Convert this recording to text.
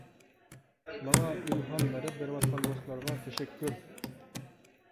ماڭا ئىلھام، مەدەت بېرىۋاتقان دوستلارغا تەشەككۈر!